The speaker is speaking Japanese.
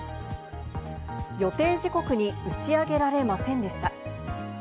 予定時刻に打ち上げられませんでした。